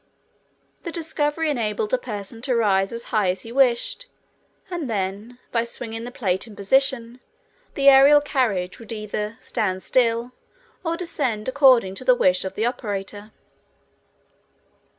The discovery enabled a person to rise as high as he wished and then, by swinging the plate in position, the aerial carriage would either stand still or descend according to the wish of the operator.